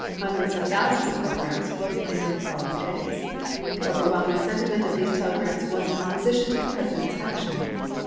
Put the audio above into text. Hundreds of thousands of telegrams flowed in during the following days. The overwhelming sentiment of these telegrams was in opposition to the President's action.